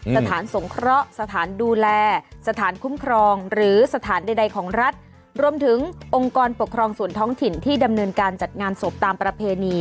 สถานสงเคราะห์สถานดูแลสถานคุ้มครองหรือสถานใดของรัฐรวมถึงองค์กรปกครองส่วนท้องถิ่นที่ดำเนินการจัดงานศพตามประเพณี